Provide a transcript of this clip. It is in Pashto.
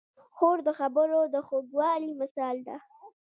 خور د خبرو د خوږوالي مثال ده.